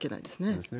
そうですね。